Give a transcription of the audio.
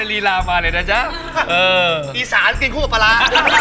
อีสานกินคู่กับพระรา